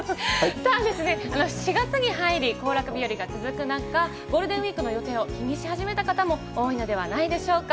さあですね、４月に入り、行楽日和が続く中、ゴールデンウィークの予定を気にし始めた方も多いのではないでしょうか。